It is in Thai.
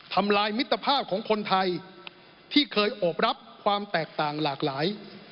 ทำลายมิตรภาพของคนไทยที่เคยโอบรับความแตกต่างหลากหลาย